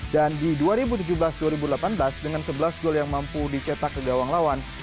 dan di dua ribu tujuh belas dua ribu delapan belas dengan sebelas gol yang mampu dicetak ke gawang lawan